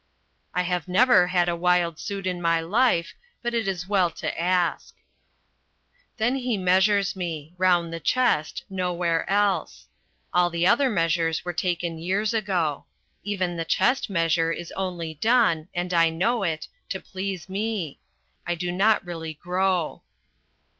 I have never had a wild suit in my life. But it is well to ask. Then he measures me round the chest, nowhere else. All the other measures were taken years ago. Even the chest measure is only done and I know it to please me. I do not really grow.